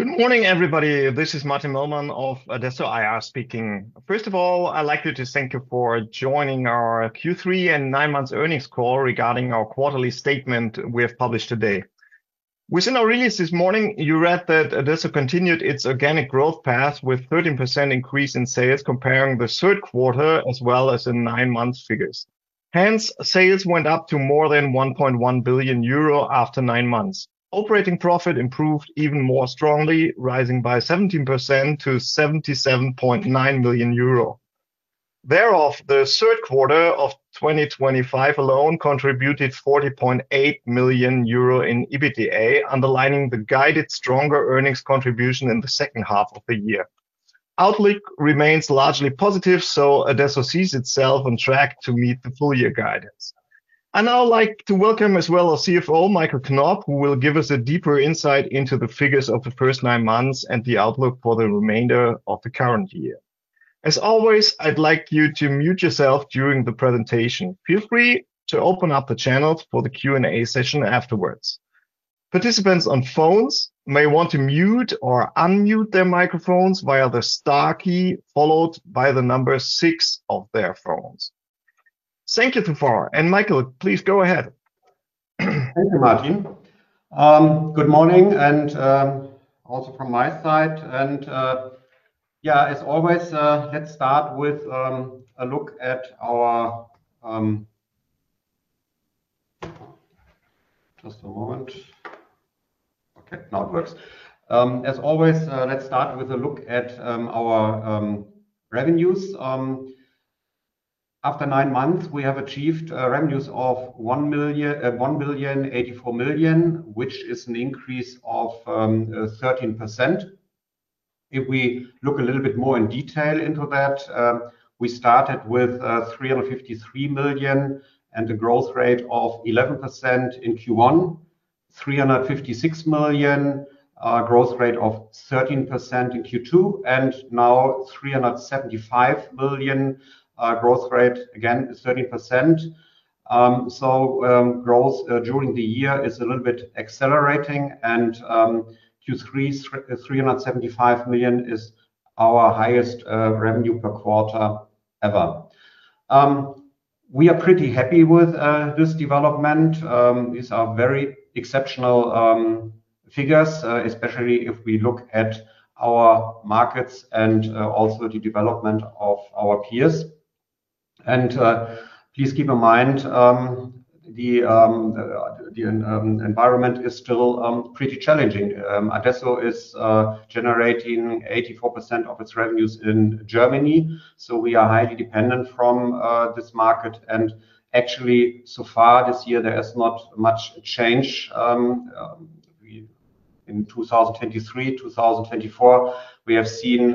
Good morning, everybody. This is Martin Möllmann of Adesso IR speaking. First of all, I'd like to thank you for joining our Q3 and nine-month earnings call regarding our quarterly statement we have published today. Within our release this morning, you read that Adesso continued its organic growth path with a 13% increase in sales, comparing the third quarter as well as the nine-month figures. Hence, sales went up to more than 1.1 billion euro after nine months. Operating profit improved even more strongly, rising by 17% to 77.9 million euro. Thereof, the third quarter of 2025 alone contributed 40.8 million euro in EBITDA, underlining the guided stronger earnings contribution in the second half of the year. Outlook remains largely positive, so Adesso sees itself on track to meet the full-year guidance. I'd now like to welcome as well our CFO, Michael Knopp, who will give us a deeper insight into the figures of the first nine months and the outlook for the remainder of the current year. As always, I'd like you to mute yourself during the presentation. Feel free to open up the channels for the Q&A session afterwards. Participants on phones may want to mute or unmute their microphones via the star key, followed by the number six of their phones. Thank you so far. Michael, please go ahead. Thank you, Martin. Good morning, and also from my side. Yeah, as always, let's start with a look at our—just a moment. Okay, now it works. As always, let's start with a look at our revenues. After nine months, we have achieved revenues of 1.84 billion, which is an increase of 13%. If we look a little bit more in detail into that, we started with 353 million and a growth rate of 11% in Q1, 356 million, a growth rate of 13% in Q2, and now 375 million, growth rate, again, 13%. Growth during the year is a little bit accelerating, and Q3, 375 million is our highest revenue per quarter ever. We are pretty happy with this development. These are very exceptional figures, especially if we look at our markets and also the development of our peers. Please keep in mind the environment is still pretty challenging. Adesso is generating 84% of its revenues in Germany, so we are highly dependent on this market. Actually, so far this year, there is not much change. In 2023, 2024, we have seen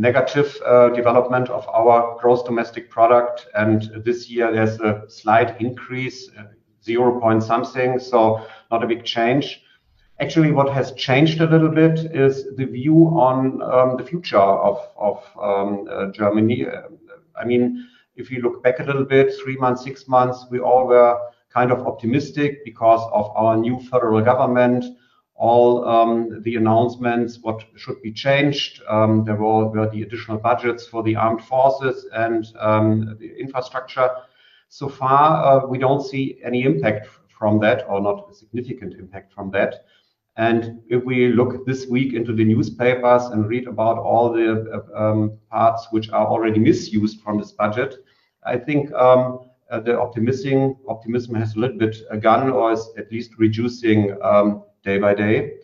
negative development of our gross domestic product, and this year, there is a slight increase, zero point something, so not a big change. Actually, what has changed a little bit is the view on the future of Germany. I mean, if you look back a little bit, three months, six months, we all were kind of optimistic because of our new federal government, all the announcements, what should be changed. There were the additional budgets for the armed forces and the infrastructure. So far, we do not see any impact from that or not a significant impact from that. If we look this week into the newspapers and read about all the parts which are already misused from this budget, I think the optimism has a little bit gone or is at least reducing day by day.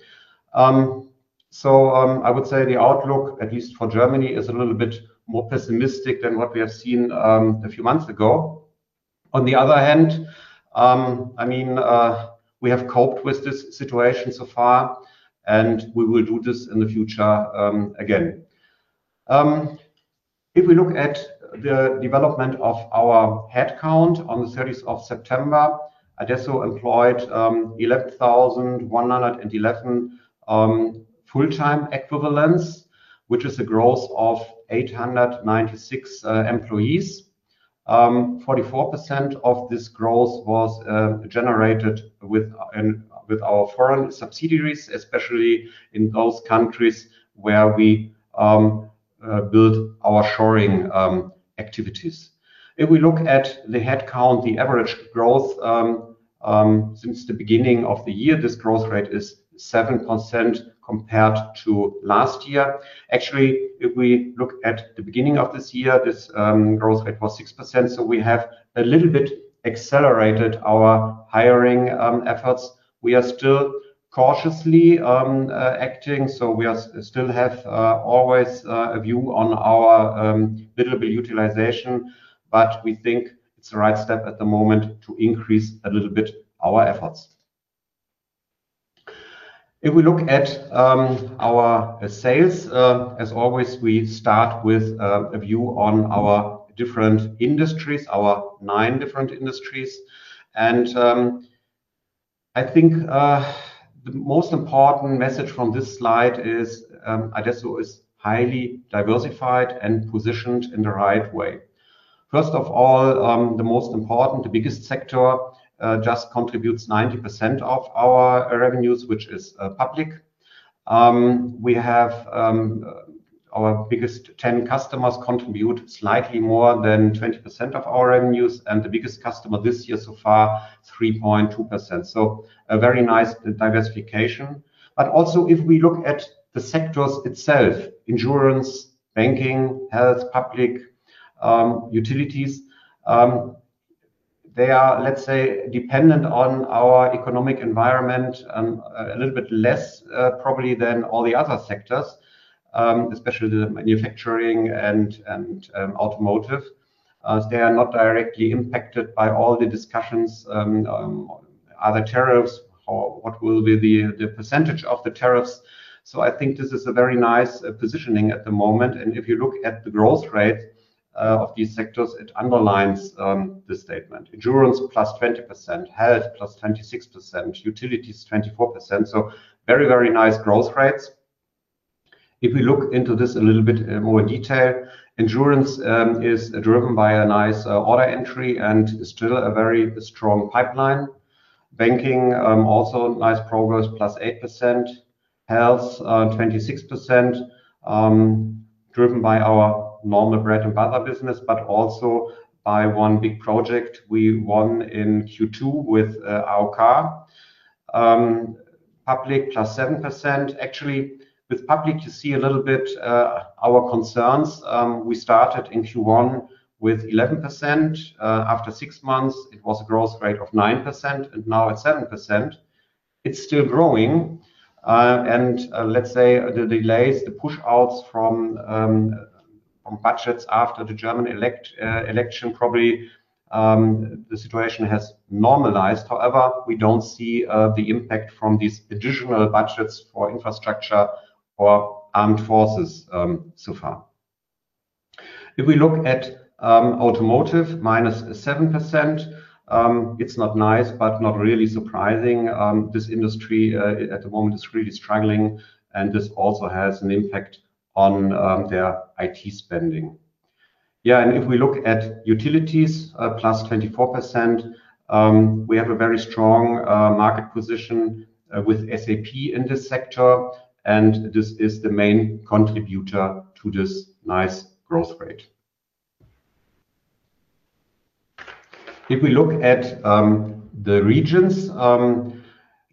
I would say the outlook, at least for Germany, is a little bit more pessimistic than what we have seen a few months ago. On the other hand, I mean, we have coped with this situation so far, and we will do this in the future again. If we look at the development of our headcount on the 30th of September, Adesso employed 11,111 full-time equivalents, which is a growth of 896 employees. 44% of this growth was generated with our foreign subsidiaries, especially in those countries where we build our shoring activities. If we look at the headcount, the average growth since the beginning of the year, this growth rate is 7% compared to last year. Actually, if we look at the beginning of this year, this growth rate was 6%, so we have a little bit accelerated our hiring efforts. We are still cautiously acting, so we still have always a view on our billable utilization, but we think it's the right step at the moment to increase a little bit our efforts. If we look at our sales, as always, we start with a view on our different industries, our nine different industries. I think the most important message from this slide is Adesso is highly diversified and positioned in the right way. First of all, the most important, the biggest sector just contributes 90% of our revenues, which is public. We have our biggest 10 customers contribute slightly more than 20% of our revenues, and the biggest customer this year so far, 3.2%. A very nice diversification. Also, if we look at the sectors itself, insurance, banking, health, public, utilities, they are, let's say, dependent on our economic environment a little bit less probably than all the other sectors, especially the manufacturing and automotive. They are not directly impacted by all the discussions, other tariffs, what will be the percentage of the tariffs. I think this is a very nice positioning at the moment. If you look at the growth rate of these sectors, it underlines this statement: insurance +20%, health +26%, utilities 24%. Very, very nice growth rates. If we look into this a little bit more detail, insurance is driven by a nice order entry and is still a very strong pipeline. Banking, also nice progress, +8%. Health, 26%, driven by our normal bread and butter business, but also by one big project we won in Q2 with our car. Public +7%. Actually, with public, you see a little bit our concerns. We started in Q1 with 11%. After six months, it was a growth rate of 9%, and now it is 7%. It is still growing. Let's say the delays, the push-outs from budgets after the German election, probably the situation has normalized. However, we do not see the impact from these additional budgets for infrastructure or armed forces so far. If we look at automotive, -7%, it is not nice, but not really surprising. This industry at the moment is really struggling, and this also has an impact on their IT spending. Yeah, and if we look at utilities, +24%, we have a very strong market position with SAP in this sector, and this is the main contributor to this nice growth rate. If we look at the regions,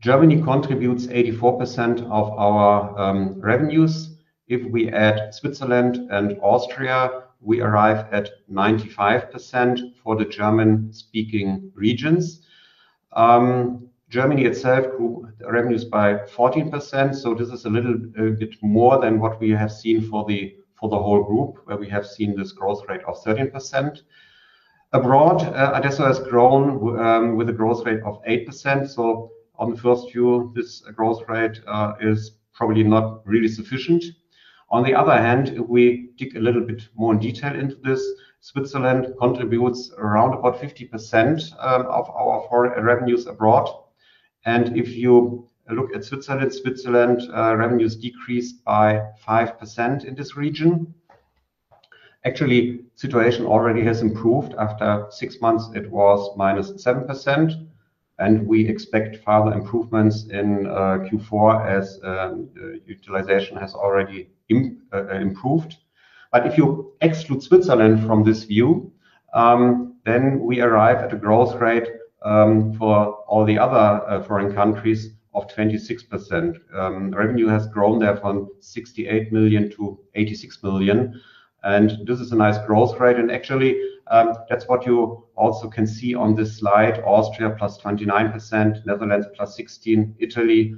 Germany contributes 84% of our revenues. If we add Switzerland and Austria, we arrive at 95% for the German-speaking regions. Germany itself grew revenues by 14%, so this is a little bit more than what we have seen for the whole group, where we have seen this growth rate of 13%. Abroad, Adesso has grown with a growth rate of 8%. So on the first view, this growth rate is probably not really sufficient. On the other hand, if we dig a little bit more in detail into this, Switzerland contributes around about 50% of our revenues abroad. If you look at Switzerland, Switzerland revenues decreased by 5% in this region. Actually, the situation already has improved. After six months, it was -7%, and we expect further improvements in Q4 as utilization has already improved. If you exclude Switzerland from this view, then we arrive at a growth rate for all the other foreign countries of 26%. Revenue has grown there from 68 million to 86 million. This is a nice growth rate. Actually, that's what you also can see on this slide: Austria +29%, Netherlands +16%, Italy,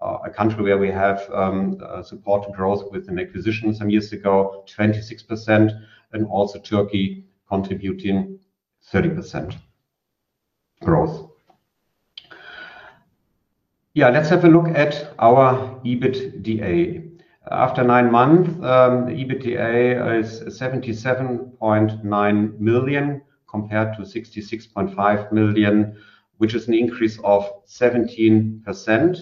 a country where we have supported growth with an acquisition some years ago, 26%, and also Turkey contributing 30% growth. Yeah, let's have a look at our EBITDA. After nine months, EBITDA is 77.9 million compared to 66.5 million, which is an increase of 17%.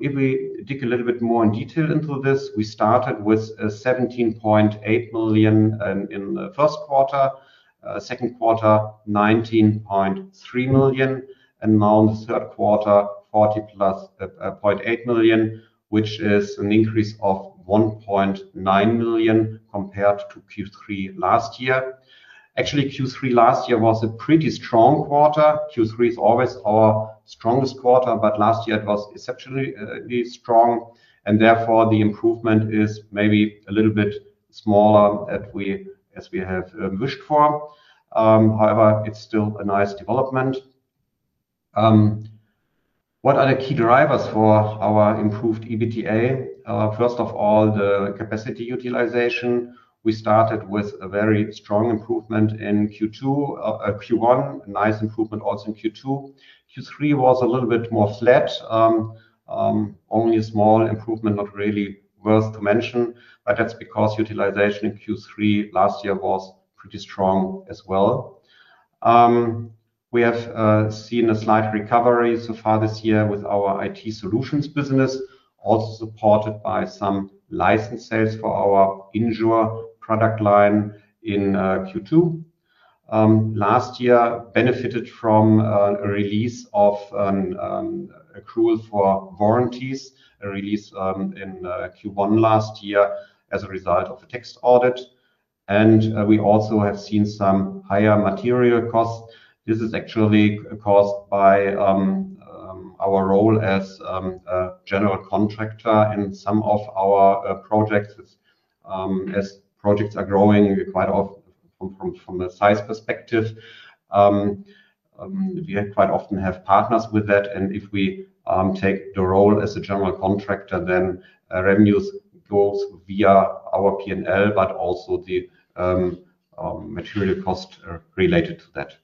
If we dig a little bit more in detail into this, we started with 17.8 million in the first quarter. Second quarter, 19.3 million. And now in the third quarter, 40.8 million, which is an increase of 1.9 million compared to Q3 last year. Actually, Q3 last year was a pretty strong quarter. Q3 is always our strongest quarter, but last year it was exceptionally strong. Therefore, the improvement is maybe a little bit smaller as we have wished for. However, it is still a nice development. What are the key drivers for our improved EBITDA? First of all, the capacity utilization. We started with a very strong improvement in Q2. Q1, nice improvement also in Q2. Q3 was a little bit more flat, only a small improvement, not really worth to mention, but that's because utilization in Q3 last year was pretty strong as well. We have seen a slight recovery so far this year with our IT solutions business, also supported by some license sales for our Insure product line in Q2. Last year, benefited from a release of accrual for warranties, a release in Q1 last year as a result of a tax audit. We also have seen some higher material costs. This is actually caused by our role as a general contractor in some of our projects. As projects are growing quite often from a size perspective, we quite often have partners with that. If we take the role as a general contractor, then revenues go via our P&L, but also the material cost related to that.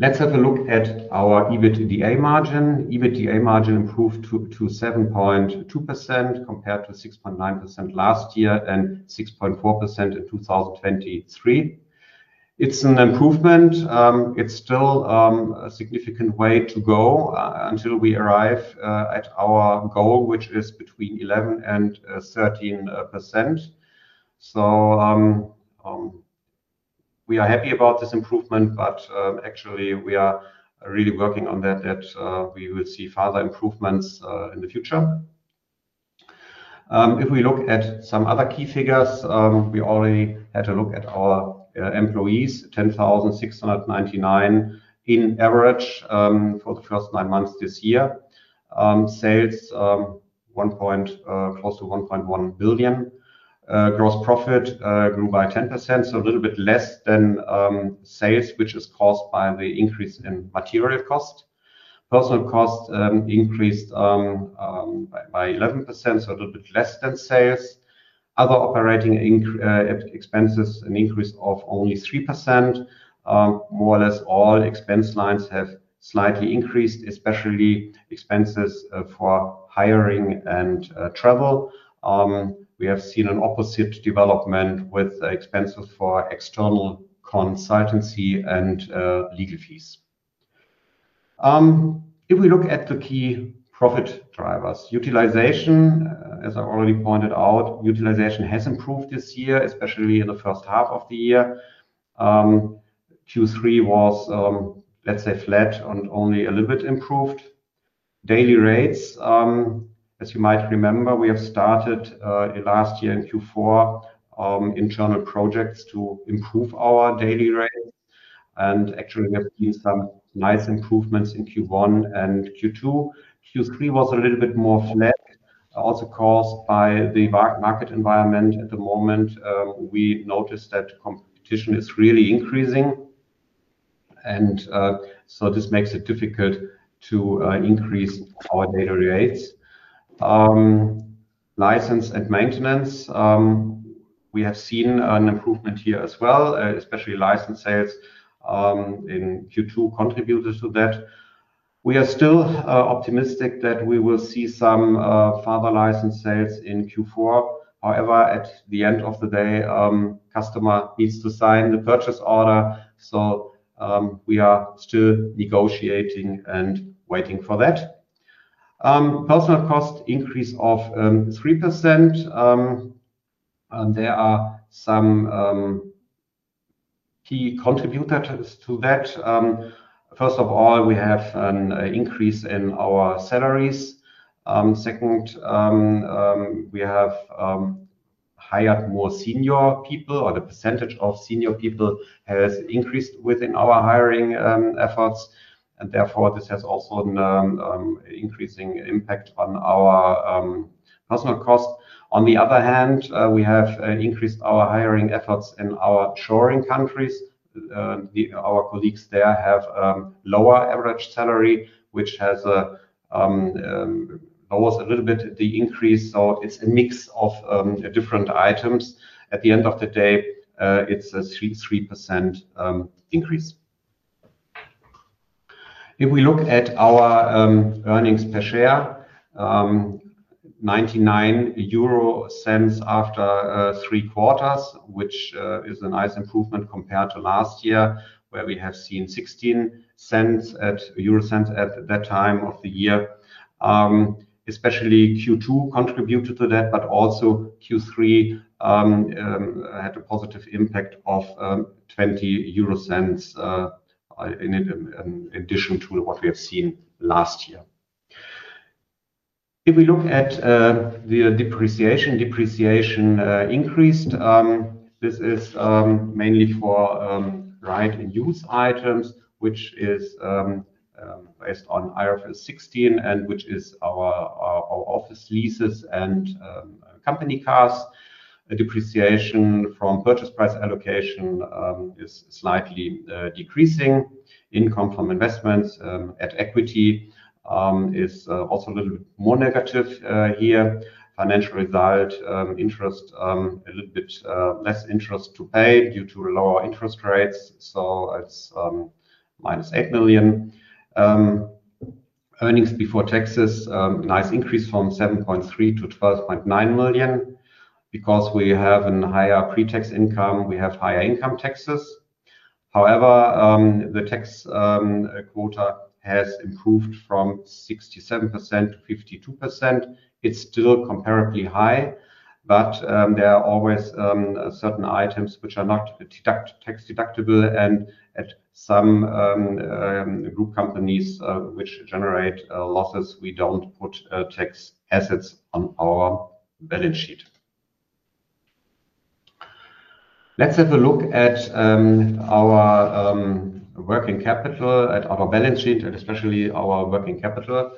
Let's have a look at our EBITDA margin. EBITDA margin improved to 7.2% compared to 6.9% last year and 6.4% in 2023. It's an improvement. It's still a significant way to go until we arrive at our goal, which is between 11% and 13%. We are happy about this improvement, but actually, we are really working on that, that we will see further improvements in the future. If we look at some other key figures, we already had a look at our employees, 10,699 in average for the first nine months this year. Sales, close to 1.1 billion. Gross profit grew by 10%, so a little bit less than sales, which is caused by the increase in material cost. Personnel cost increased by 11%, so a little bit less than sales. Other operating expenses, an increase of only 3%. More or less, all expense lines have slightly increased, especially expenses for hiring and travel. We have seen an opposite development with expenses for external consultancy and legal fees. If we look at the key profit drivers, utilization, as I already pointed out, utilization has improved this year, especially in the first half of the year. Q3 was, let's say, flat and only a little bit improved. Daily rates, as you might remember, we have started last year in Q4 internal projects to improve our daily rates. And actually, we have seen some nice improvements in Q1 and Q2. Q3 was a little bit more flat, also caused by the market environment at the moment. We noticed that competition is really increasing, and so this makes it difficult to increase our daily rates. License and maintenance, we have seen an improvement here as well, especially license sales in Q2 contributed to that. We are still optimistic that we will see some further license sales in Q4. However, at the end of the day, customer needs to sign the purchase order, so we are still negotiating and waiting for that. Personnel cost increase of 3%. There are some key contributors to that. First of all, we have an increase in our salaries. Second, we have hired more senior people, or the percentage of senior people has increased within our hiring efforts. Therefore, this has also an increasing impact on our personnel cost. On the other hand, we have increased our hiring efforts in our shoring countries. Our colleagues there have lower average salary, which has lowered a little bit the increase. It is a mix of different items. At the end of the day, it's a 3% increase. If we look at our earnings per share, 0.99 after three quarters, which is a nice improvement compared to last year, where we have seen 0.16 at that time of the year. Especially Q2 contributed to that, but also Q3 had a positive impact of 0.20 in addition to what we have seen last year. If we look at the depreciation, depreciation increased, this is mainly for right-of-use items, which is based on IFRS 16, and which is our office leases and company cars. Depreciation from purchase price allocation is slightly decreasing. Income from investments at equity is also a little bit more negative here. Financial result, interest, a little bit less interest to pay due to lower interest rates, so it's -8 million. Earnings before taxes, nice increase from 7.3 million to 12.9 million. Because we have a higher pre-tax income, we have higher income taxes. However, the tax quota has improved from 67% to 52%. It's still comparably high, but there are always certain items which are not tax deductible. At some group companies which generate losses, we don't put tax assets on our balance sheet. Let's have a look at our working capital at our balance sheet, and especially our working capital.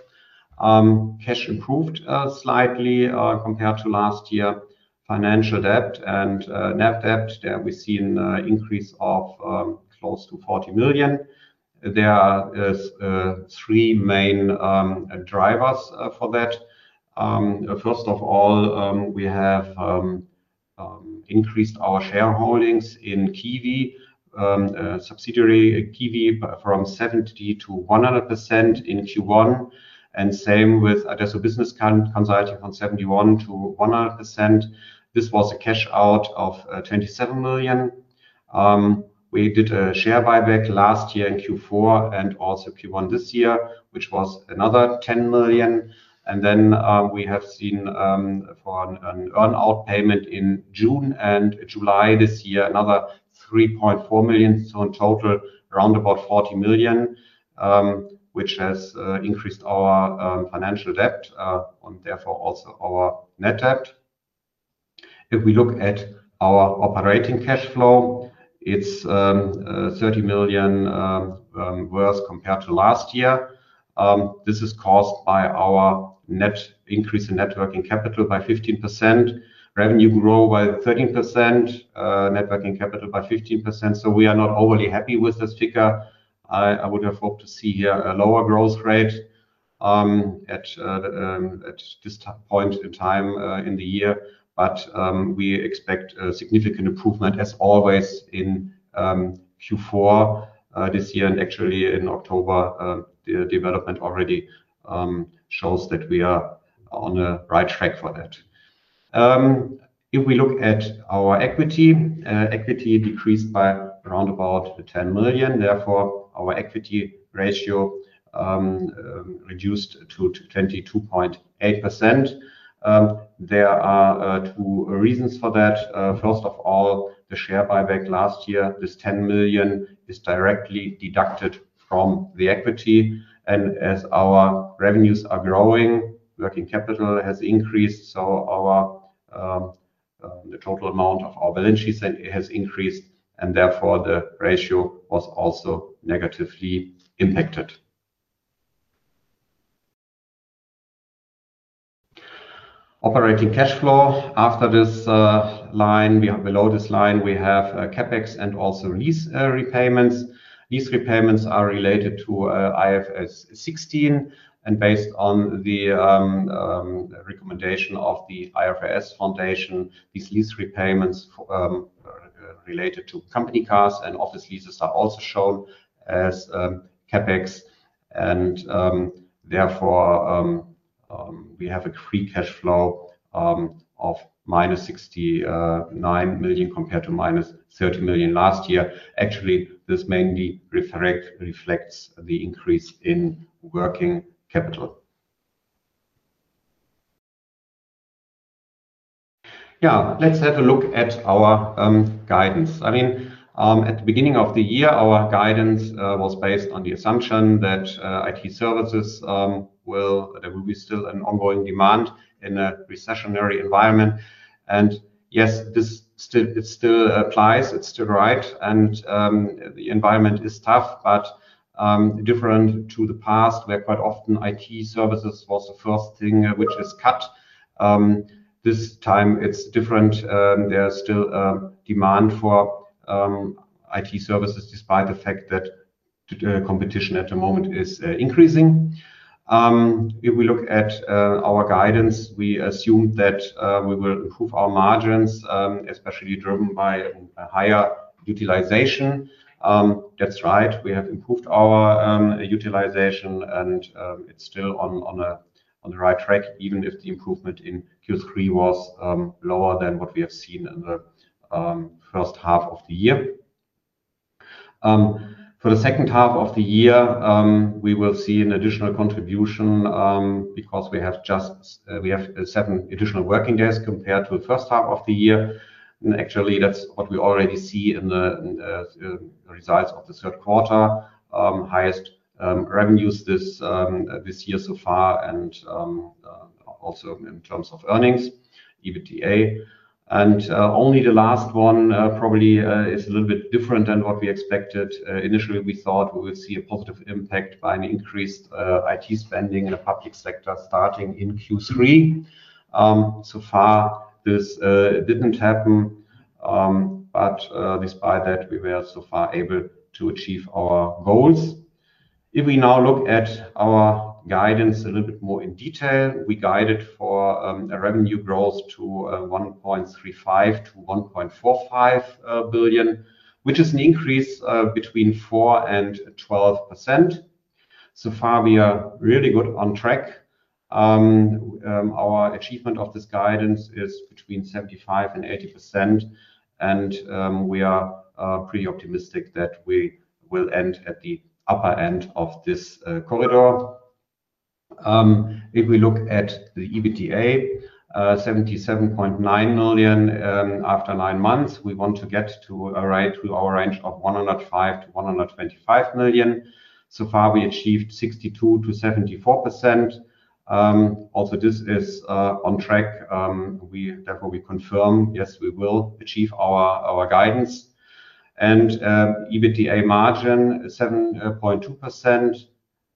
Cash improved slightly compared to last year. Financial debt and net debt, there we see an increase of close to 40 million. There are three main drivers for that. First of all, we have increased our shareholdings in Kiwi, subsidiary Kiwi, from 70% to 100% in Q1. Same with Adesso Business Consulting from 71% to 100%. This was a cash out of 27 million. We did a share buyback last year in Q4 and also Q1 this year, which was another 10 million. Then we have seen an earn-out payment in June and July this year, another 3.4 million. In total, around about 40 million, which has increased our financial debt and therefore also our net debt. If we look at our operating cash flow, it is 30 million worse compared to last year. This is caused by our net increase in working capital by 15%. Revenue grew by 13%, working capital by 15%. We are not overly happy with this figure. I would have hoped to see a lower growth rate at this point in time in the year, but we expect a significant improvement, as always, in Q4 this year. Actually, in October, the development already shows that we are on the right track for that. If we look at our equity, equity decreased by around about 10 million. Therefore, our equity ratio reduced to 22.8%. There are two reasons for that. First of all, the share buyback last year, this 10 million is directly deducted from the equity. As our revenues are growing, working capital has increased, so the total amount of our balance sheet has increased, and therefore the ratio was also negatively impacted. Operating cash flow, after this line, below this line, we have CapEx and also lease repayments. Lease repayments are related to IFRS 16. Based on the recommendation of the IFRS Foundation, these lease repayments related to company cars and office leases are also shown as CapEx. Therefore, we have a free cash flow of -69 million compared to -30 million last year. Actually, this mainly reflects the increase in working capital. Yeah, let's have a look at our guidance. I mean, at the beginning of the year, our guidance was based on the assumption that IT services will be still an ongoing demand in a recessionary environment. Yes, it still applies. It's still right. The environment is tough, but different to the past, where quite often IT services was the first thing which is cut. This time, it's different. There's still demand for IT services despite the fact that competition at the moment is increasing. If we look at our guidance, we assumed that we will improve our margins, especially driven by higher utilization. That's right. We have improved our utilization, and it's still on the right track, even if the improvement in Q3 was lower than what we have seen in the first half of the year. For the second half of the year, we will see an additional contribution because we have seven additional working days compared to the first half of the year. Actually, that is what we already see in the results of the third quarter, highest revenues this year so far, and also in terms of earnings, EBITDA. Only the last one probably is a little bit different than what we expected. Initially, we thought we would see a positive impact by an increased IT spending in the public sector starting in Q3. So far, this did not happen, but despite that, we were so far able to achieve our goals. If we now look at our guidance a little bit more in detail, we guided for revenue growth to 1.35 billion-1.45 billion, which is an increase between 4% and 12%. So far, we are really good on track. Our achievement of this guidance is between 75% and 80%, and we are pretty optimistic that we will end at the upper end of this corridor. If we look at the EBITDA, 77.9 million after nine months, we want to get to our range of 105-125 million. So far, we achieved 62%-74%. Also, this is on track. Therefore, we confirm, yes, we will achieve our guidance. EBITDA margin, 7.2%.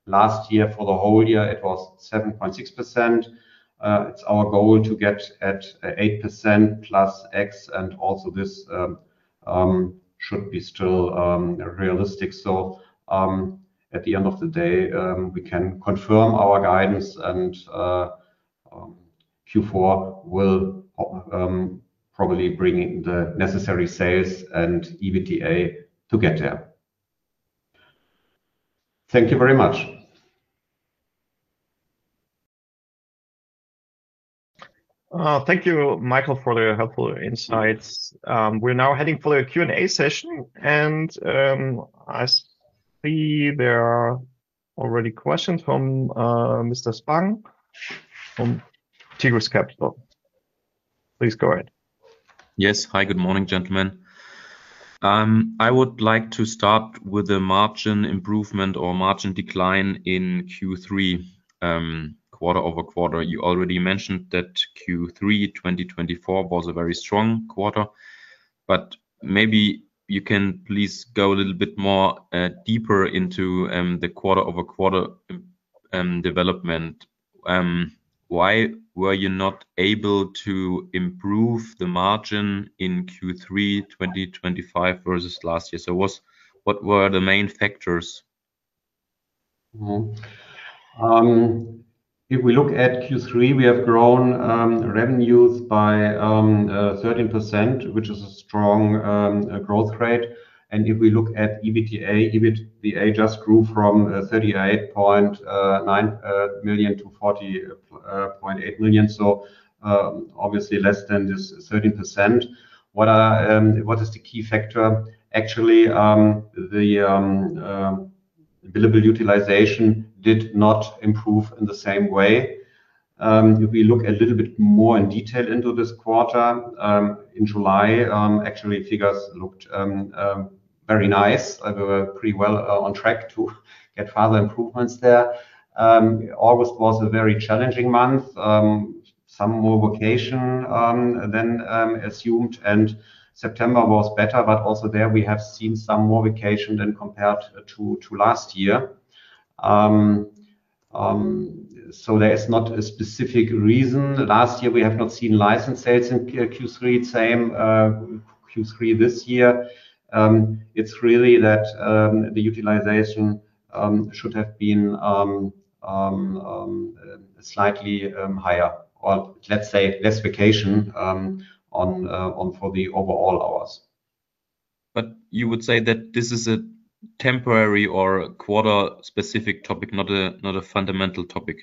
Last year, for the whole year, it was 7.6%. It is our goal to get at 8%+ X, and also this should be still realistic. At the end of the day, we can confirm our guidance, and Q4 will probably bring the necessary sales and EBITDA to get there. Thank you very much. Thank you, Michael, for the helpful insights. We're now heading for the Q&A session, and I see there are already questions from Mr. Spang from Tigris Capital. Please go ahead. Yes. Hi, good morning, gentlemen. I would like to start with the margin improvement or margin decline in Q3, quarter-over-quarter. You already mentioned that Q3 2024 was a very strong quarter, but maybe you can please go a little bit more deeper into the quarter-over-quarter development. Why were you not able to improve the margin in Q3 2025 versus last year? What were the main factors? If we look at Q3, we have grown revenues by 13%, which is a strong growth rate. If we look at EBITDA, EBITDA just grew from 38.9 million to 40.8 million, so obviously less than this 13%. What is the key factor? Actually, the billable utilization did not improve in the same way. If we look a little bit more in detail into this quarter, in July, actually, figures looked very nice. We were pretty well on track to get further improvements there. August was a very challenging month, some more vacation than assumed, and September was better, but also there we have seen some more vacation than compared to last year. There is not a specific reason. Last year, we have not seen license sales in Q3, same Q3 this year. It is really that the utilization should have been slightly higher, or let's say less vacation for the overall hours. You would say that this is a temporary or quarter-specific topic, not a fundamental topic?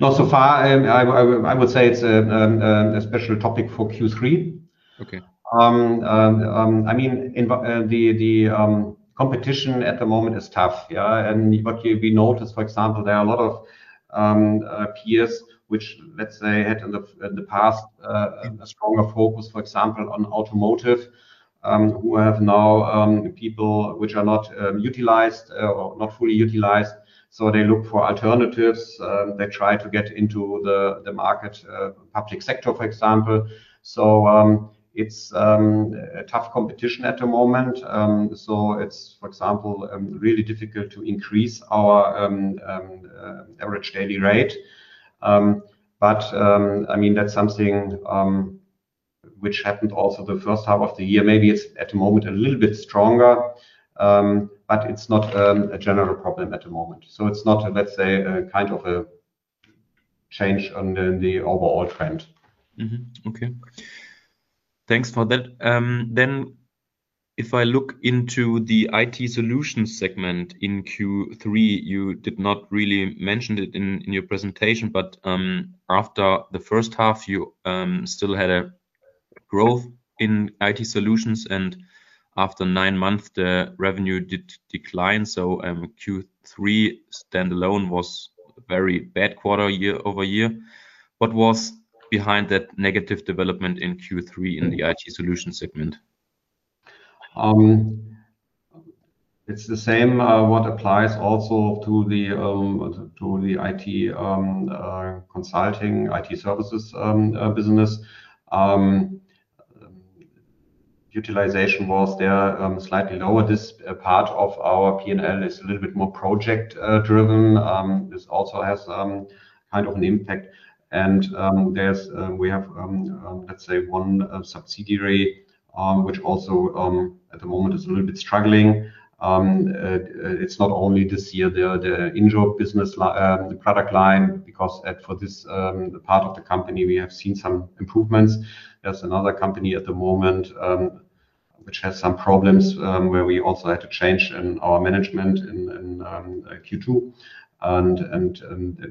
Not so far. I would say it is a special topic for Q3. I mean, the competition at the moment is tough. What we noticed, for example, there are a lot of peers which, let's say, had in the past a stronger focus, for example, on automotive, who have now people which are not utilized or not fully utilized. They look for alternatives. They try to get into the market, public sector, for example. It is a tough competition at the moment. It is, for example, really difficult to increase our average daily rate. I mean, that's something which happened also the first half of the year. Maybe it is at the moment a little bit stronger, but it is not a general problem at the moment. It is not, let's say, kind of a change in the overall trend. Okay. Thanks for that. If I look into the IT solutions segment in Q3, you did not really mention it in your presentation, but after the first half, you still had a growth in IT solutions, and after nine months, the revenue did decline. Q3 standalone was a very bad quarter year-over-year. What was behind that negative development in Q3 in the IT solutions segment? It's the same what applies also to the IT consulting, IT services business. Utilization was there slightly lower. This part of our P&L is a little bit more project-driven. This also has kind of an impact. We have, let's say, one subsidiary which also at the moment is a little bit struggling. It's not only this year, the in-shore business, the product line, because for this part of the company, we have seen some improvements. There's another company at the moment which has some problems where we also had a change in our management in Q2.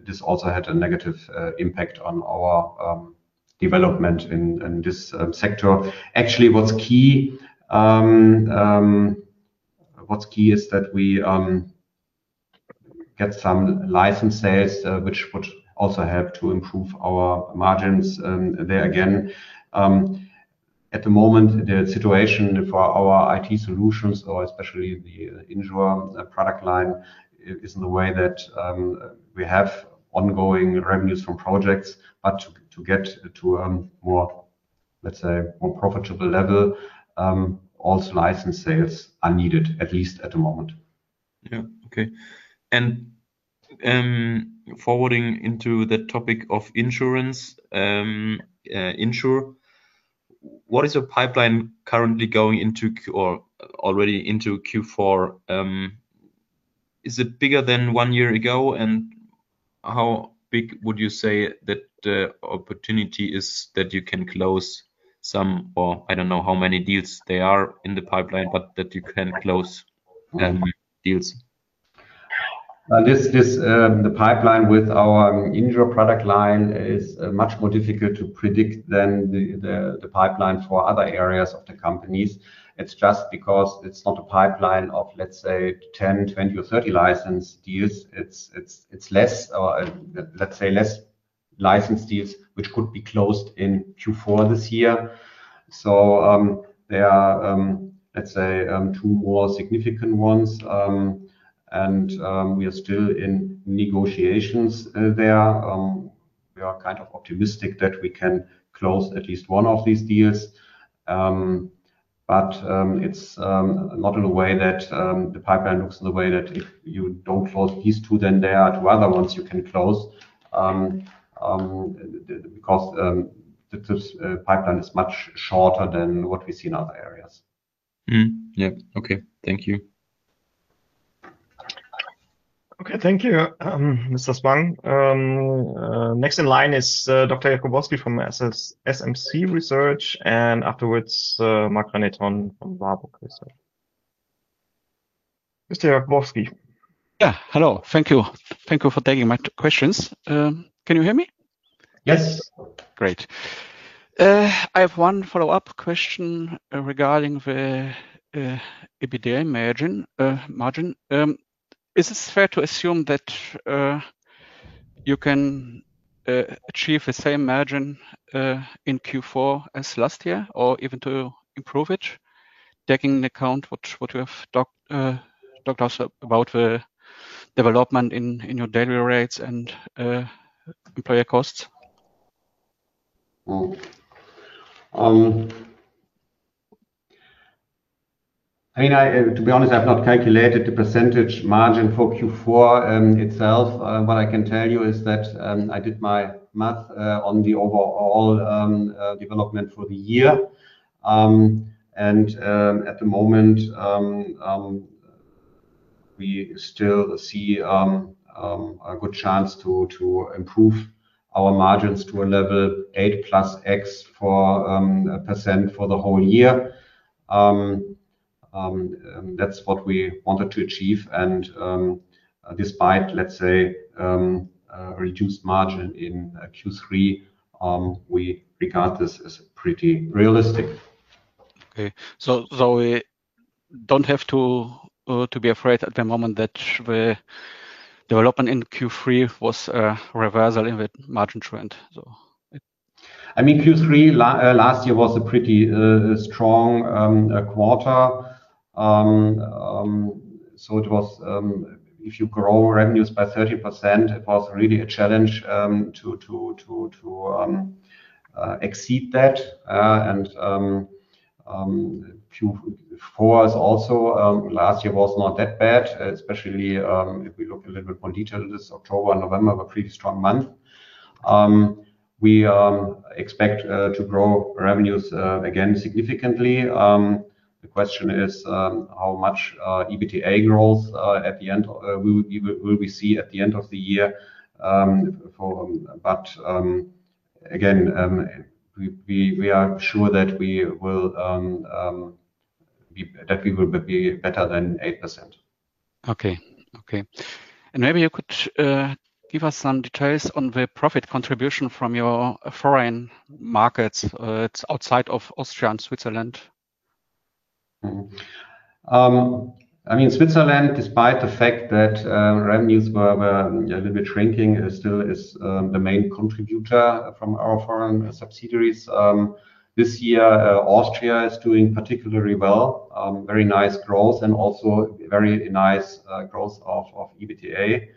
This also had a negative impact on our development in this sector. Actually, what's key is that we get some license sales, which would also help to improve our margins there again. At the moment, the situation for our IT solutions, or especially the Insure product line, is in the way that we have ongoing revenues from projects. To get to, let's say, a more profitable level, also license sales are needed, at least at the moment. Yeah. Okay. Forwarding into the topic of insurance, Insure, what is your pipeline currently going into or already into Q4? Is it bigger than one year ago? How big would you say that the opportunity is that you can close some, or I do not know how many deals there are in the pipeline, but that you can close deals? The pipeline with our Insure product line is much more difficult to predict than the pipeline for other areas of the company. It is just because it is not a pipeline of, let's say, 10, 20, or 30 license deals. It is less, let's say, less license deals which could be closed in Q4 this year. There are, let's say, two more significant ones, and we are still in negotiations there. We are kind of optimistic that we can close at least one of these deals. But it's not in a way that the pipeline looks in the way that if you don't close these two, then there are two other ones you can close because the pipeline is much shorter than what we see in other areas. Yeah. Okay. Thank you. Okay. Thank you, Mr. Spang. Next in line is Dr. Jakubowski from SMC Research, and afterwards, Michael Knopp from Warburg Research. Mr. Jakubowski? Yeah. Hello. Thank you. Thank you for taking my questions. Can you hear me? Yes. Great. I have one follow-up question regarding the EBITDA margin. Is it fair to assume that you can achieve the same margin in Q4 as last year or even to improve it, taking into account what you have talked about, the development in your daily rates and employer costs? I mean, to be honest, I've not calculated the percentage margin for Q4 itself. What I can tell you is that I did my math on the overall development for the year. At the moment, we still see a good chance to improve our margins to a level 8+X% for the whole year. That is what we wanted to achieve. Despite, let's say, a reduced margin in Q3, we regard this as pretty realistic. Okay. We do not have to be afraid at the moment that the development in Q3 was a reversal in the margin trend, so? I mean, Q3 last year was a pretty strong quarter. If you grow revenues by 30%, it was really a challenge to exceed that. Q4 also last year was not that bad, especially if we look a little bit more detailed. This October and November were pretty strong months. We expect to grow revenues again significantly. The question is how much EBITDA growth at the end will we see at the end of the year. Again, we are sure that we will be better than 8%. Okay. Okay. Maybe you could give us some details on the profit contribution from your foreign markets outside of Austria and Switzerland? I mean, Switzerland, despite the fact that revenues were a little bit shrinking, still is the main contributor from our foreign subsidiaries. This year, Austria is doing particularly well, very nice growth, and also very nice growth of EBITDA.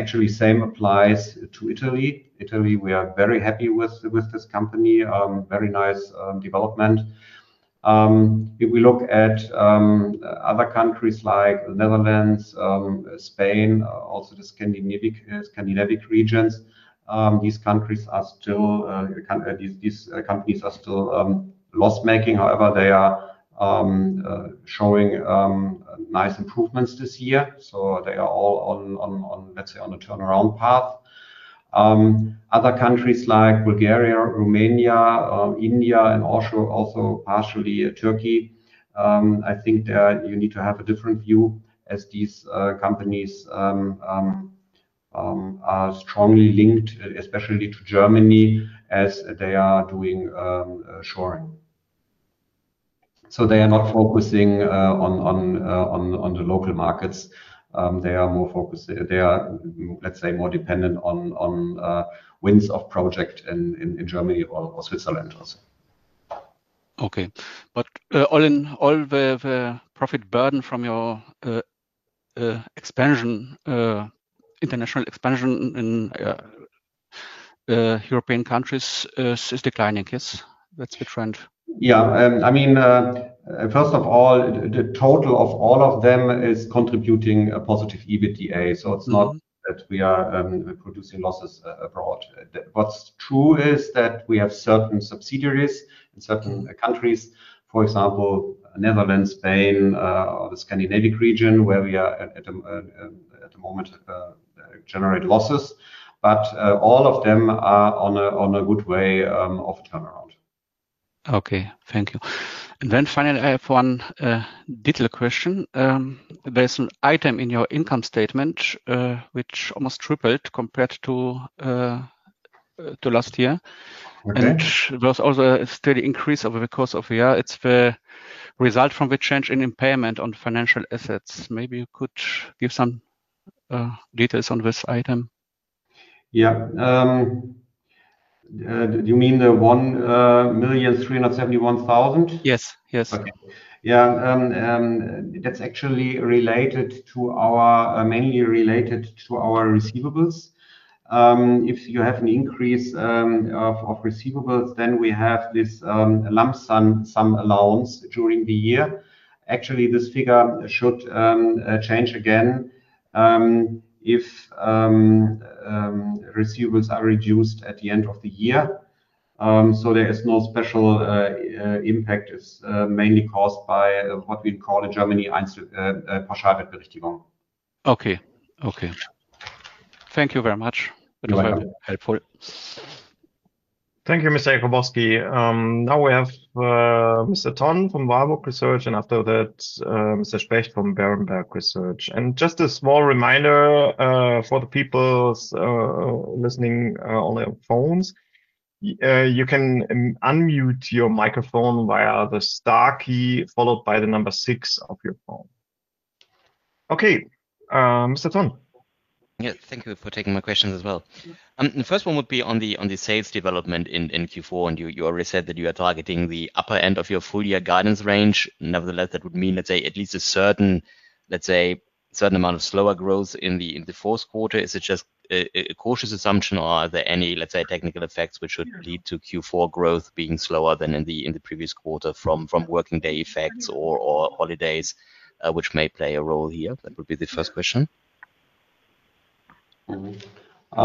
Actually, same applies to Italy. Italy, we are very happy with this company, very nice development. If we look at other countries like the Netherlands, Spain, also the Scandinavian regions, these countries are still loss-making. However, they are showing nice improvements this year. They are all, let's say, on a turnaround path. Other countries like Bulgaria, Romania, India, and also partially Turkey, I think you need to have a different view as these companies are strongly linked, especially to Germany, as they are doing shoring. They are not focusing on the local markets. They are more focused, let's say, more dependent on wins of projects in Germany or Switzerland also. Okay. All the profit burden from your international expansion in European countries is declining, yes? That is the trend. Yeah. I mean, first of all, the total of all of them is contributing a positive EBITDA. It is not that we are producing losses abroad. What is true is that we have certain subsidiaries in certain countries, for example, Netherlands, Spain, or the Scandinavian region, where we are at the moment generating losses. All of them are on a good way of turnaround. Okay. Thank you. Finally, I have one little question. There is an item in your income statement which almost tripled compared to last year. There was also a steady increase over the course of the year. It is the result from the change in impairment on financial assets. Maybe you could give some details on this item. Yeah. Do you mean the 1,371,000? Yes. Yes. Okay. Yeah. That is actually mainly related to our receivables. If you have an increase of receivables, then we have this lump sum allowance during the year. Actually, this figure should change again if receivables are reduced at the end of the year. There is no special impact. It is mainly caused by what we call in Germany Einsatzpauschalberechtigung. Okay. Okay. Thank you very much. It was very helpful. Thank you, Mr. Jakubowski. Now we have Mr. Tonn from Warburg Research, and after that, Mr. Specht from Berenberg Research. Just a small reminder for the people listening on their phones, you can unmute your microphone via the star key followed by the number six of your phone. Okay. Mr. Tonn? Yeah. Thank you for taking my questions as well. The first one would be on the sales development in Q4. You already said that you are targeting the upper end of your full-year guidance range. Nevertheless, that would mean, let's say, at least a certain amount of slower growth in the fourth quarter. Is it just a cautious assumption, or are there any, let's say, technical effects which would lead to Q4 growth being slower than in the previous quarter from working day effects or holidays, which may play a role here? That would be the first question. Q4,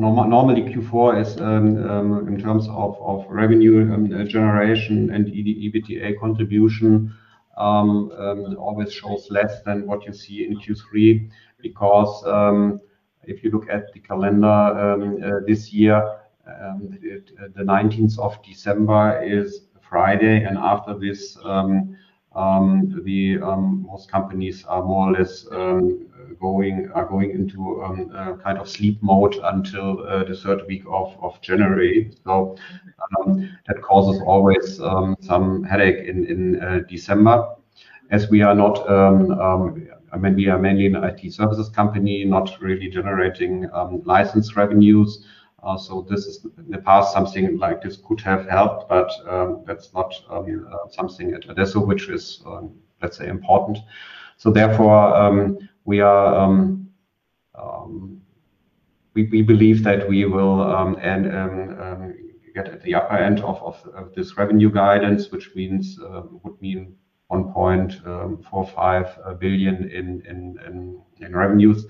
normally Q4 is in terms of revenue generation and EBITDA contribution always shows less than what you see in Q3 because if you look at the calendar this year, the 19th of December is Friday. After this, most companies are more or less going into kind of sleep mode until the third week of January. That causes always some headache in December. As we are not, I mean, we are mainly an IT services company, not really generating license revenues. In the past, something like this could have helped, but that is not something at Adesso, which is, let's say, important. Therefore, we believe that we will get at the upper end of this revenue guidance, which would mean 1.45 billion in revenues.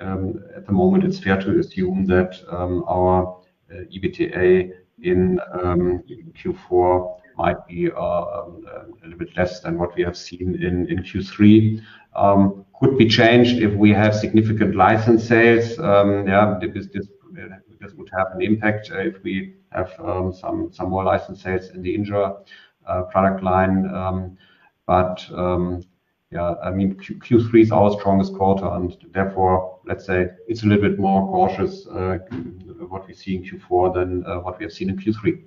At the moment, it's fair to assume that our EBITDA in Q4 might be a little bit less than what we have seen in Q3. It could be changed if we have significant license sales. Yeah. This would have an impact if we have some more license sales in the Insure product line. Yeah, I mean, Q3 is our strongest quarter. Therefore, let's say, it's a little bit more cautious what we see in Q4 than what we have seen in Q3.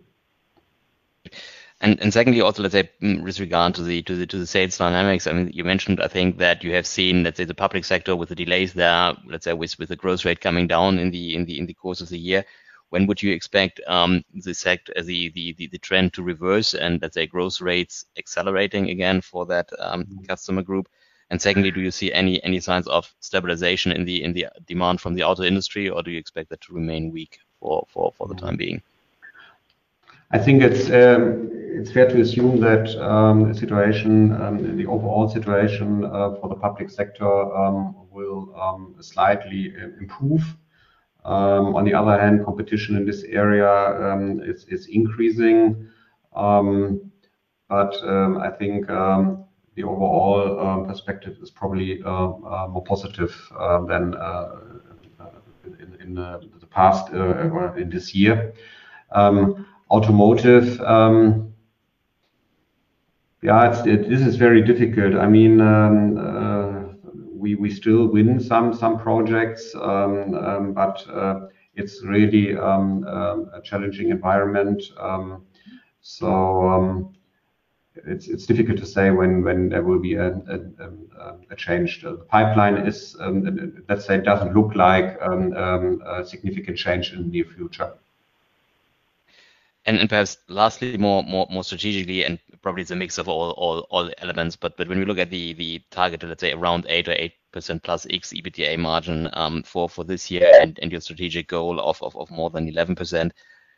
Secondly, also, let's say, with regard to the sales dynamics, I mean, you mentioned, I think, that you have seen, let's say, the public sector with the delays there, let's say, with the growth rate coming down in the course of the year. When would you expect the trend to reverse and, let's say, growth rates accelerating again for that customer group? Secondly, do you see any signs of stabilization in the demand from the auto industry, or do you expect that to remain weak for the time being? I think it's fair to assume that the situation, the overall situation for the public sector, will slightly improve. On the other hand, competition in this area is increasing. I think the overall perspective is probably more positive than in the past or in this year. Automotive, yeah, this is very difficult. I mean, we still win some projects, but it's really a challenging environment. It's difficult to say when there will be a change. The pipeline is, let's say, doesn't look like a significant change in the near future. Perhaps lastly, more strategically, and probably it's a mix of all elements, but when we look at the target, let's say, around 8% or 8%+ X EBITDA margin for this year and your strategic goal of more than 11%,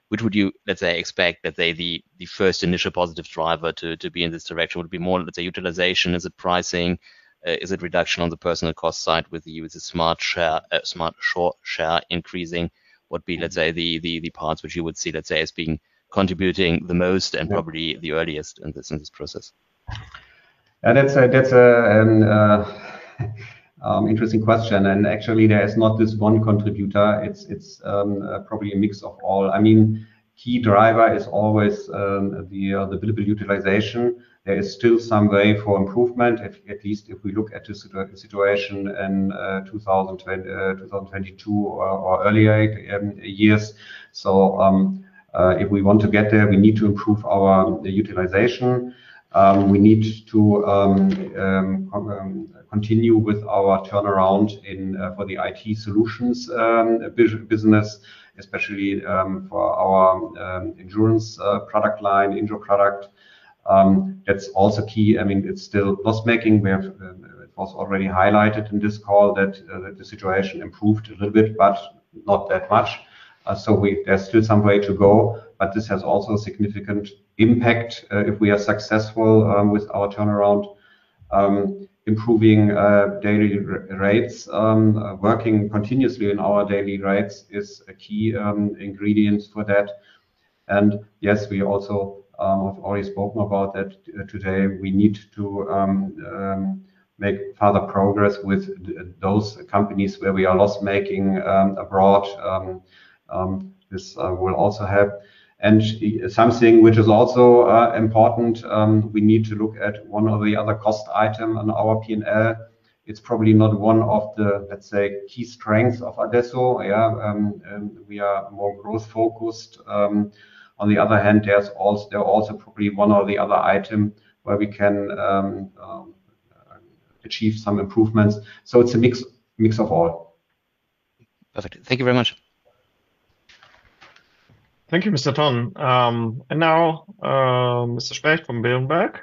which would you, let's say, expect that the first initial positive driver to be in this direction would be more, let's say, utilization? Is it pricing? Is it reduction on the personnel cost side with the smart share increasing? What would be, let's say, the parts which you would see, let's say, as being contributing the most and probably the earliest in this process? Yeah. That's an interesting question. Actually, there is not just one contributor. It's probably a mix of all. I mean, key driver is always the utilization. There is still some way for improvement, at least if we look at the situation in 2022 or earlier years. If we want to get there, we need to improve our utilization. We need to continue with our turnaround for the IT solutions business, especially for our insurance product line, Insure. That's also key. I mean, it's still loss-making. It was already highlighted in this call that the situation improved a little bit, but not that much. There is still some way to go. This has also a significant impact if we are successful with our turnaround. Improving daily rates, working continuously in our daily rates is a key ingredient for that. Yes, we also have already spoken about that today. We need to make further progress with those companies where we are loss-making abroad. This will also help. Something which is also important, we need to look at one or the other cost item on our P&L. It's probably not one of the, let's say, key strengths of Adesso. Yeah. We are more growth-focused. On the other hand, there's also probably one or the other item where we can achieve some improvements. It's a mix of all. Perfect. Thank you very much. Thank you, Mr. Tonn. Now, Mr. Specht from Berenberg.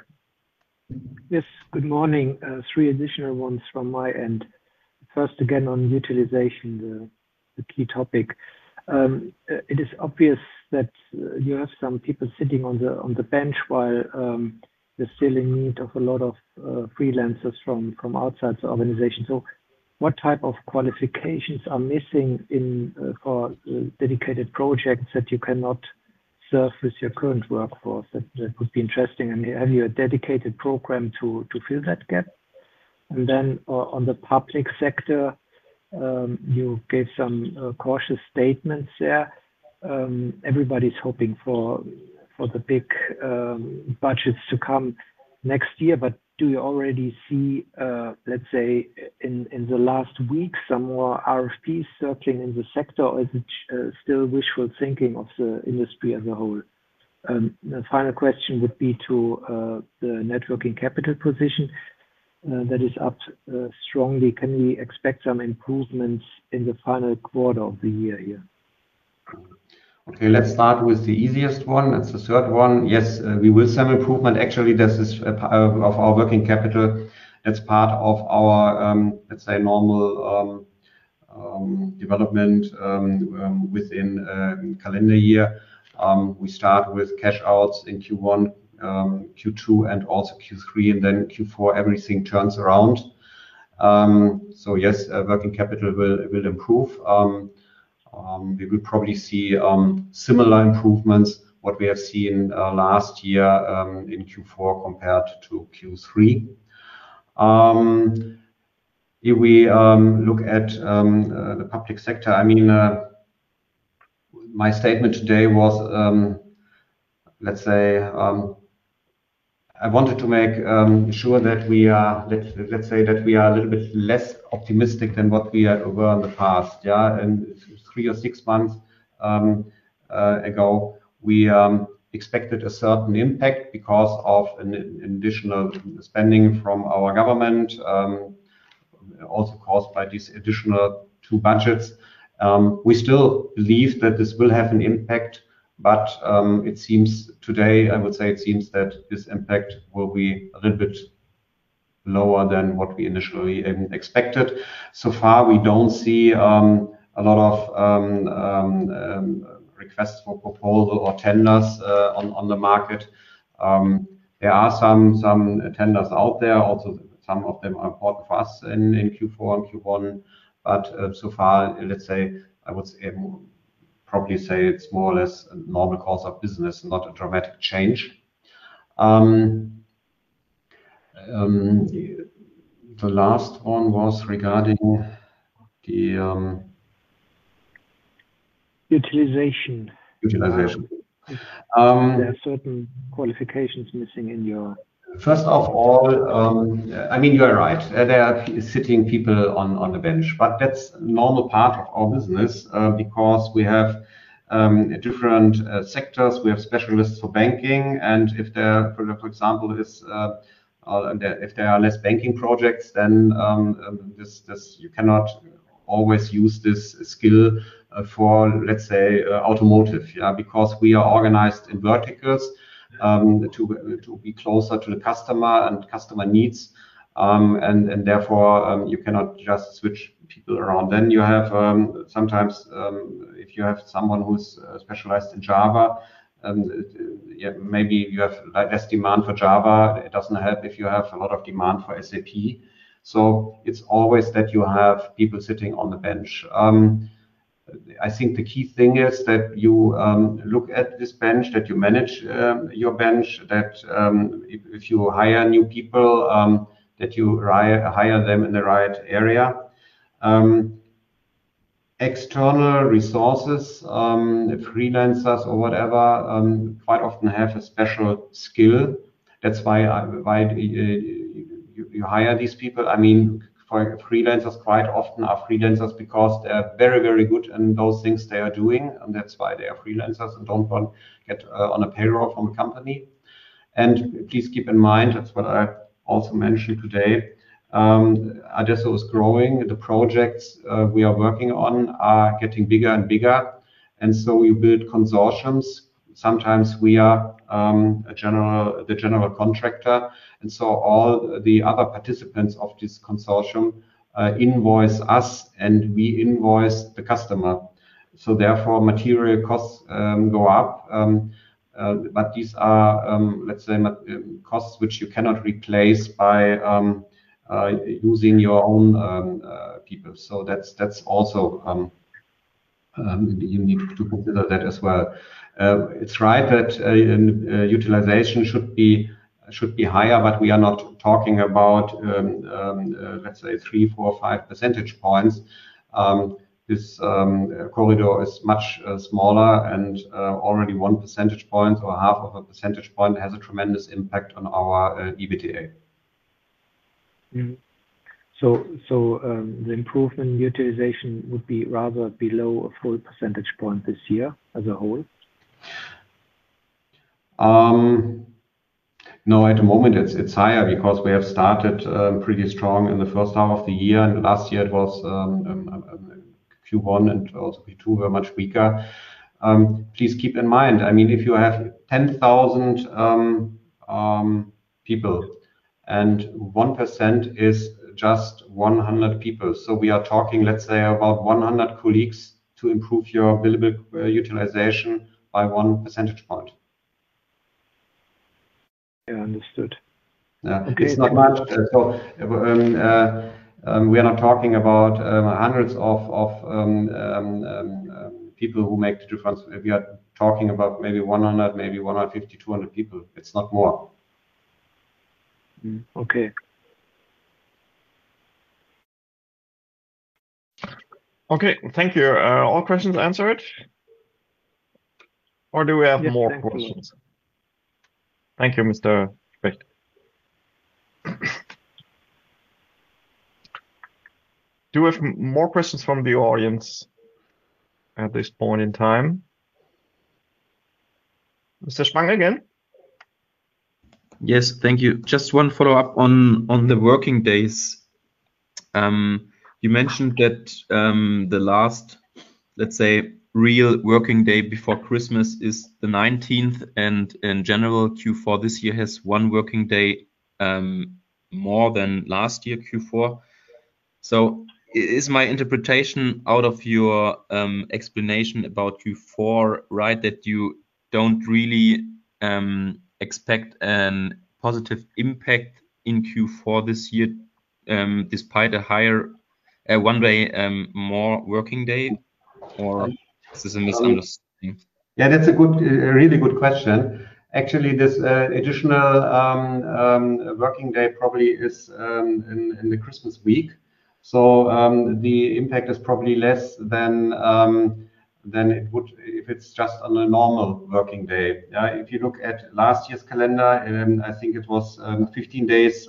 Yes. Good morning. Three additional ones from my end. First, again, on utilization, the key topic. It is obvious that you have some people sitting on the bench while they're still in need of a lot of freelancers from outside the organization. What type of qualifications are missing for dedicated projects that you cannot serve with your current workforce? That would be interesting. Have you a dedicated program to fill that gap? On the public sector, you gave some cautious statements there. Everybody's hoping for the big budgets to come next year. Do you already see, let's say, in the last week, some more RFPs circling in the sector, or is it still wishful thinking of the industry as a whole? The final question would be to the working capital position that is up strongly. Can we expect some improvements in the final quarter of the year here? Okay. Let's start with the easiest one. That's the third one. Yes, we will see some improvement. Actually, this is part of our working capital. That's part of our, let's say, normal development within the calendar year. We start with cash outs in Q1, Q2, and also Q3, and then Q4, everything turns around. Yes, working capital will improve. We will probably see similar improvements, what we have seen last year in Q4 compared to Q3. If we look at the public sector, I mean, my statement today was, let's say, I wanted to make sure that we are, let's say, that we are a little bit less optimistic than what we were in the past. Yeah. Three or six months ago, we expected a certain impact because of an additional spending from our government, also caused by these additional two budgets. We still believe that this will have an impact, but it seems today, I would say, it seems that this impact will be a little bit lower than what we initially expected. So far, we don't see a lot of requests for proposals or tenders on the market. There are some tenders out there. Also, some of them are important for us in Q4 and Q1. So far, let's say, I would probably say it's more or less a normal course of business, not a dramatic change. The last one was regarding the utilization. Utilization. There are certain qualifications missing in your—first of all, I mean, you're right. There are sitting people on the bench, but that's a normal part of our business because we have different sectors. We have specialists for banking. If there, for example, is—if there are less banking projects, then you cannot always use this skill for, let's say, automotive, yeah, because we are organized in verticals to be closer to the customer and customer needs. Therefore, you cannot just switch people around. You have sometimes, if you have someone who's specialized in Java, maybe you have less demand for Java. It doesn't help if you have a lot of demand for SAP. It is always that you have people sitting on the bench. I think the key thing is that you look at this bench, that you manage your bench, that if you hire new people, you hire them in the right area. External resources, freelancers or whatever, quite often have a special skill. That is why you hire these people. I mean, freelancers quite often are freelancers because they are very, very good in those things they are doing. That is why they are freelancers and do not want to get on a payroll from a company. Please keep in mind, that is what I also mentioned today, Adesso is growing. The projects we are working on are getting bigger and bigger. We build consortiums. Sometimes we are the general contractor. All the other participants of this consortium invoice us, and we invoice the customer. Therefore, material costs go up. These are, let's say, costs which you cannot replace by using your own people. That is also unique to consider as well. It is right that utilization should be higher, but we are not talking about, let's say, three, four, five percentage points. This corridor is much smaller, and already one percentage point or half of a percentage point has a tremendous impact on our EBITDA. The improvement in utilization would be rather below a full percentage point this year as a whole? No, at the moment, it is higher because we have started pretty strong in the first half of the year. Last year, Q1 and also Q2 were much weaker. Please keep in mind, I mean, if you have 10,000 people and 1% is just 100 people, so we are talking, let's say, about 100 colleagues to improve your billable utilization by one percentage point. Yeah, understood. Yeah. It's not much. We are not talking about hundreds of people who make the difference. We are talking about maybe 100, maybe 150, 200 people. It's not more. Okay. Okay. Thank you. All questions answered? Or do we have more questions? Thank you, Mr. Specht. Do we have more questions from the audience at this point in time? Mr. Spang again? Yes. Thank you. Just one follow-up on the working days. You mentioned that the last, let's say, real working day before Christmas is the 19th, and in general, Q4 this year has one working day more than last year, Q4. Is my interpretation out of your explanation about Q4 right, that you do not really expect a positive impact in Q4 this year despite one more working day, or is this a misunderstanding? Yeah, that is a really good question. Actually, this additional working day probably is in the Christmas week. The impact is probably less than it would be if it is just on a normal working day. If you look at last year's calendar, I think it was 15 days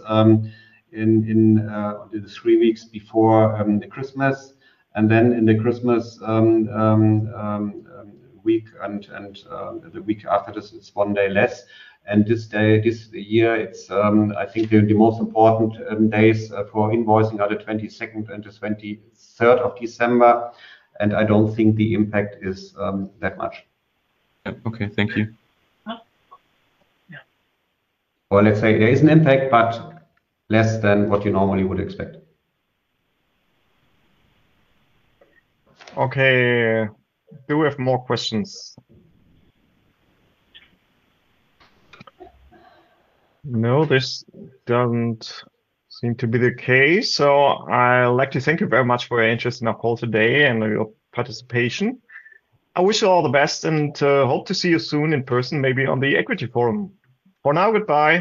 in the three weeks before Christmas. Then in the Christmas week and the week after this, it is one day less. This year, I think the most important days for invoicing are the 22nd and the 23rd of December. I do not think the impact is that much. Okay. Thank you. There is an impact, but less than what you normally would expect. Okay. Do we have more questions? No, this doesn't seem to be the case. I’d like to thank you very much for your interest in our call today and your participation. I wish you all the best and hope to see you soon in person, maybe on the equity forum. For now, goodbye.